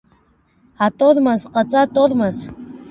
Атормоз ҟаҵа, атормоз!